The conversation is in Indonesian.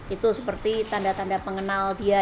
itu seperti tanda tanda pengenal dia